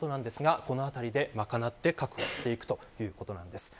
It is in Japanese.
このあたりで賄って確保していくということです。